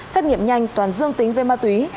xét nghiệm nhanh toàn dương tính về ma túy